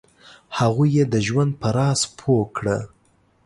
هغوی یې د ژوند په راز پوه کړه.